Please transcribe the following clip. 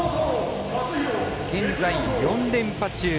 現在、４連覇中。